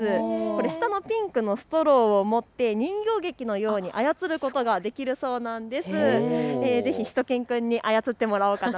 下のピンクのストローを持って人形劇のように操ることができるそうなんです。